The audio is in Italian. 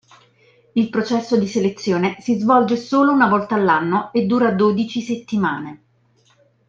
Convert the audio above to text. Il processo di selezione si svolge solo una volta all'anno e dura dodici settimane.